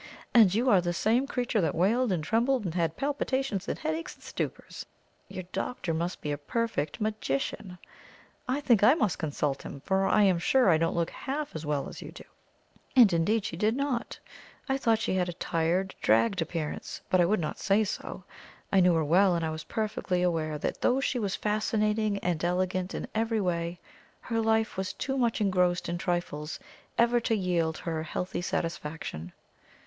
And you are the same creature that wailed and trembled, and had palpitations and headaches and stupors! Your doctor must be a perfect magician. I think I must consult him, for I am sure I don't look half as well as you do." And indeed she did not. I thought she had a tired, dragged appearance, but I would not say so. I knew her well, and I was perfectly aware that though she was fascinating and elegant in every way, her life was too much engrossed in trifles ever to yield her healthy satisfaction.